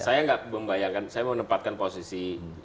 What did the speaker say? saya nggak membayangkan saya mau nempatkan posisi